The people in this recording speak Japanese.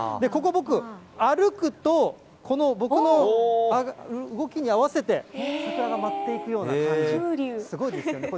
ここ僕、歩くと、この僕の動きに合わせて桜が舞っていくような感じ、すごいですよね。